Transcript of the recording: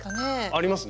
あります？